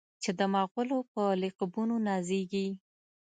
چې د مغلو په لقبونو نازیږي.